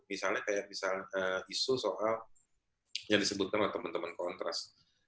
misalnya kayak misalnya isu soal yang disebutkan oleh teman teman kontras